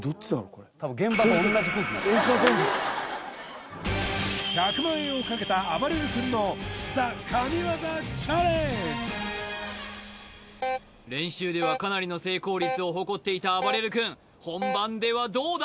これ１００万円をかけた練習ではかなりの成功率を誇っていたあばれる君本番ではどうだ？